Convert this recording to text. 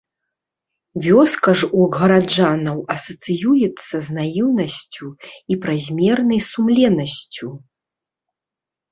Вёска ж у гараджанаў асацыюецца з наіўнасцю і празмернай сумленнасцю.